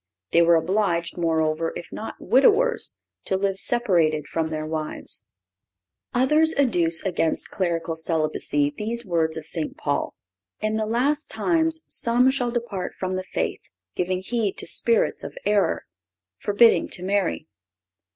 They were obliged, moreover, if not widowers, to live separated from their wives. Others adduce against clerical celibacy these words of St. Paul: "In the last times some shall depart from the faith, giving heed to spirits of error, ... forbidding to marry."